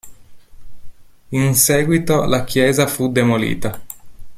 In seguito la chiesa fu demolita.